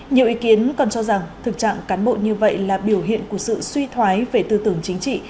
nhiều ý kiến còn cho rằng thực trạng cán bộ như vậy là biểu hiện của sự suy thoái về tư tưởng chính trị